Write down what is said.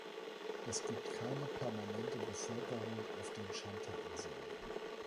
Es gibt keine permanente Bevölkerung auf den Schantar-Inseln.